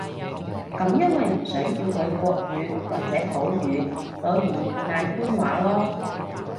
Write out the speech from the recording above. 噉因為唔想叫佢國語或者普語，所以嗌官話囉